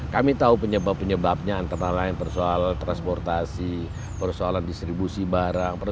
kami tahu penyebab penyebabnya antara lain persoalan transportasi persoalan distribusi barang